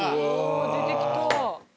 出てきた！